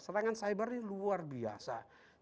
serangan cyber ini luar biasa